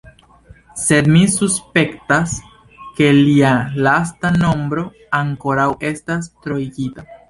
Sed mi suspektas, ke lia lasta nombro ankoraŭ estas troigita.